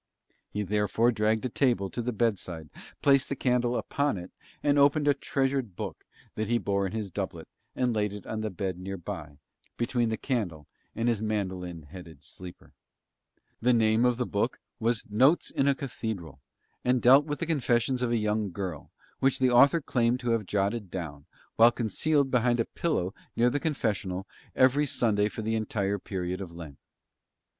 He therefore dragged a table to the bedside, placed the candle upon it, and opened a treasured book that he bore in his doublet, and laid it on the bed near by, between the candle and his mandolin headed sleeper; the name of the book was Notes in a Cathedral and dealt with the confessions of a young girl, which the author claimed to have jotted down, while concealed behind a pillow near the Confessional, every Sunday for the entire period of Lent.